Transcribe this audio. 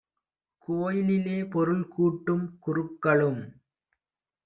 கோயிலிலே பொருள் கூட்டும் குருக்களும்